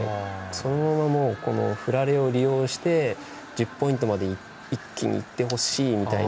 そのまま、振られを利用して１０ポイントまで一気にいってほしいみたいな。